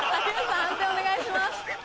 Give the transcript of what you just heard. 判定お願いします。